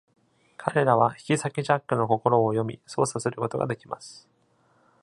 彼らは、切り裂きジャックの心を読み、操作することができます。